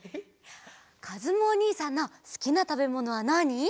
かずむおにいさんのすきなたべものはなに？